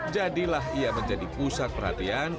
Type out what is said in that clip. jadilah ia menjadi pusat perhatian